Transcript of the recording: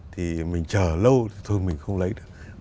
thì mình chờ lâu thôi mình không lấy nữa